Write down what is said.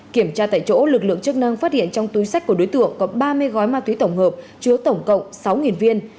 kiểm tra tại chỗ lực lượng chức năng phát hiện trong túi sách của đối tượng có ba mươi gói ma túy tổng hợp chứa tổng cộng sáu viên